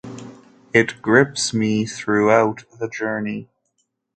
It grips me throughout the journey.